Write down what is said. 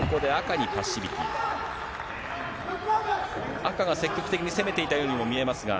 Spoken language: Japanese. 赤が積極的に攻めていたようにも見えますが。